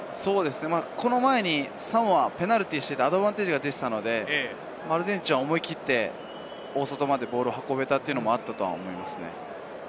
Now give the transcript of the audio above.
この前にサモアがペナルティーをしてアドバンテージが出ていたのでアルゼンチンは思い切って、大外までボールを運べたというのもあったと思いますね。